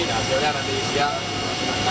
nah saya udah nanti isyak